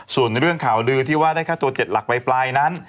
ส่วนเรื่องข่าวลือที่ว่าได้ค่าตัว๗หลักปลายนั้น